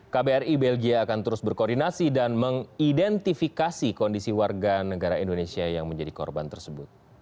kbri belgia akan terus berkoordinasi dan mengidentifikasi kondisi warga negara indonesia yang menjadi korban tersebut